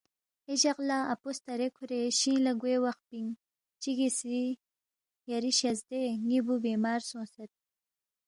اے جق لہ اپو سترے کُھورے شِنگ لہ گوے وخ پِنگ چِگی سی یری شزدے ن٘ی بُو بیمار سونگسید